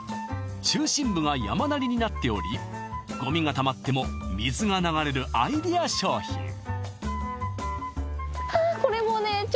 中心部が山なりになっておりゴミがたまっても水が流れるアイデア商品ああ